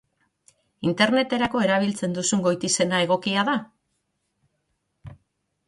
Interneterako erabiltzen duzun goitizena egokia da?